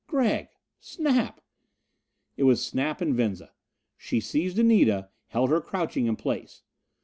"Gregg!" "Snap!" It was Snap and Venza. She seized Anita, held her crouching in place.